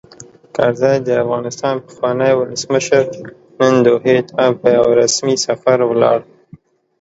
کرزی؛ د افغانستان پخوانی ولسمشر، نن دوحې ته په یوه رسمي سفر ولاړ.